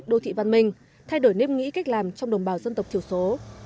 đô thị văn minh thay đổi nếp nghĩ cách làm trong đồng bào dân tộc thiểu số